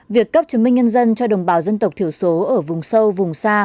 việc cấp chứng minh nhân dân cho đồng bào dân tộc thiểu số ở vùng sâu vùng xa